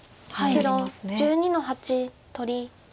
白１２の八取り。